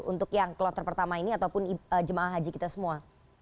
untuk yang kloter pertama ini ataupun jemaah haji kita semua